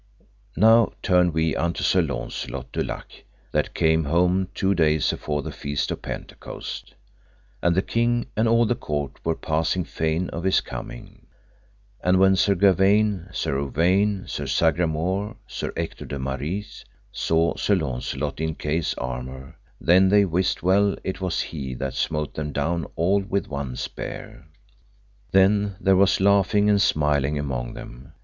Now turn we unto Sir Launcelot du Lake, that came home two days afore the Feast of Pentecost; and the king and all the court were passing fain of his coming. And when Sir Gawaine, Sir Uwaine, Sir Sagramore, Sir Ector de Maris, saw Sir Launcelot in Kay's armour, then they wist well it was he that smote them down all with one spear. Then there was laughing and smiling among them.